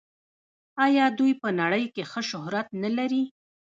آیا دوی په نړۍ کې ښه شهرت نلري؟